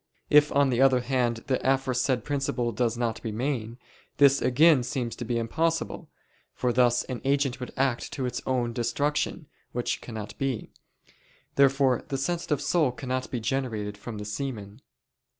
If on the other hand the aforesaid principle does not remain, this again seems to be impossible: for thus an agent would act to its own destruction, which cannot be. Therefore the sensitive soul cannot be generated from the semen.